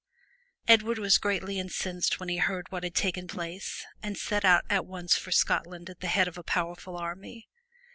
Edward was greatly incensed when he heard what had taken place and set out at once for Scotland at the head of a powerful army.